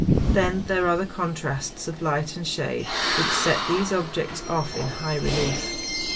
Then there are the contrasts of light and shade which set these objects off in high relief.